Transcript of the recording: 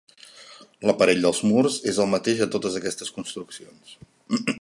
L'aparell dels murs és el mateix a totes aquestes construccions.